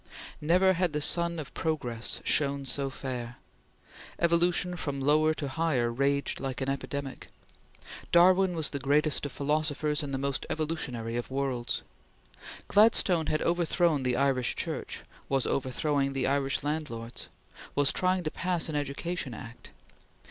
Never had the sun of progress shone so fair. Evolution from lower to higher raged like an epidemic. Darwin was the greatest of prophets in the most evolutionary of worlds. Gladstone had overthrown the Irish Church; was overthrowing the Irish landlords; was trying to pass an Education Act.